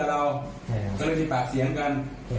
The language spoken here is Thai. ก็เลยมีปากเสียงกัน